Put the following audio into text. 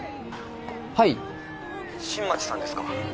はい☎新町さんですか？